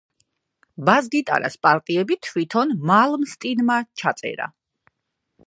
ბას გიტარის პარტიები თვითონ მალმსტინმა ჩაწერა.